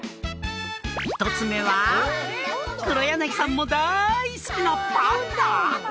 １つ目は黒柳さんも大好きなパンダ！？